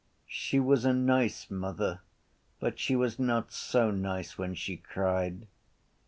She was a nice mother but she was not so nice when she cried.